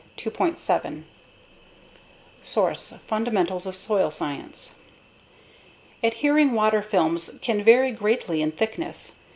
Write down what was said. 7 Source: Fundamentals of Soil Science. Adhering water films can vary greatly in thickness.